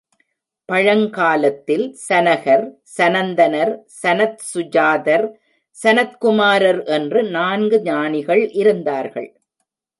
பழங்காலத்தில் சனகர், சனந்தனர், சனத்சுஜாதர், சனத்குமாரர் என்று நான்கு ஞானிகள் இருந்தார்கள்.